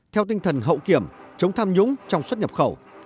theo tinh thần hậu kiểm chống tham nhũng trong xuất nhập khẩu